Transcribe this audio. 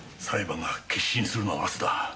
裁判が結審するのは明日だ。